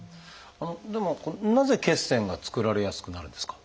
でもなぜ血栓が作られやすくなるんですか？